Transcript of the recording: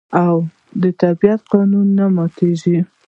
او د طبیعت قانون نه ماتیږي.